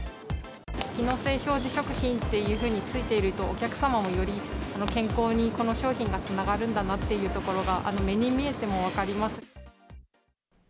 機能性表示食品っていうふうについていると、お客様もより健康にこの商品がつながるんだなっていうところが、目に見えても分かります。